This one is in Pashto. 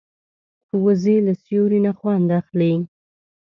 وزې له سیوري نه خوند اخلي